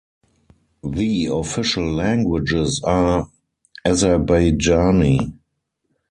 The official languages are Azerbaijani.